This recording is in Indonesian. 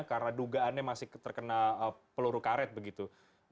karena dugaannya masih terkena peluru karet begitu